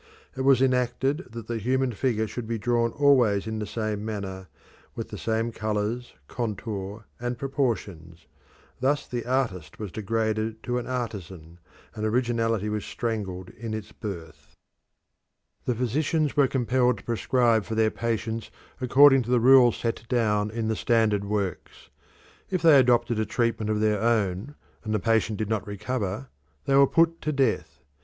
It was enacted that the human figure should be drawn always in the same manner, with the same colours, contour, and proportions. Thus the artist was degraded to an artisan, and originality was strangled in its birth. The physicians were compelled to prescribe for their patients according to the rules set down in the standard works. If they adopted a treatment of their own and the patient did not recover, they were put to death.